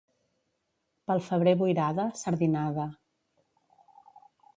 Pel febrer boirada, sardinada.